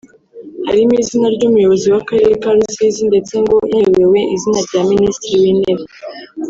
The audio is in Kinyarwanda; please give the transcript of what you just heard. harimo izina ry’umuyobozi w’Akarere ka Rusizi ndetse ngo yanayobewe izina rya Minisitiri w’Intebe